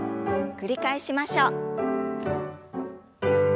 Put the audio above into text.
繰り返しましょう。